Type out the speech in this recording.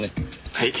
はい。